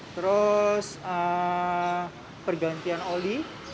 terus pergantian oli